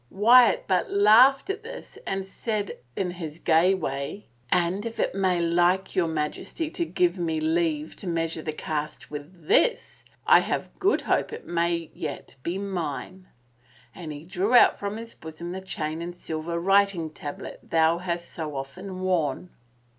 . Wyatt but laughed at this and said in his gay way, * And if it may like your Maj esty to give me leave to measure the cast with this I have good hope it may yet be mine,' and he drew out from his bosom the chain and silver writing tablet thou hast so often worn."